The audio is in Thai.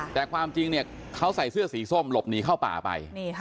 แต่ความจริงเขาใส่เสื้อสีส้มหลบหนีเข้าป่าไป